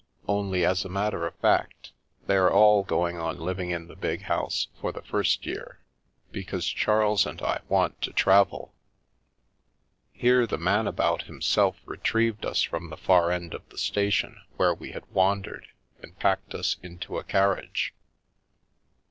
Only, as a matter of fact, they're all going on living in the big house for the first year, because Charles and I want to travel." Here, the Man about himself retrieved us from the far end of the station, where we had wandered, and packed us into a carriage.